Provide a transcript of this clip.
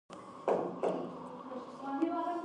که مشاهده وي نو حقیقت نه پټیږي.